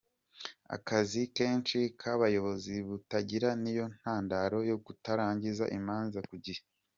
Akazi kenshi k’abayobozi b’utugari ni yo ntandaro yo kutarangiza imanza ku gihe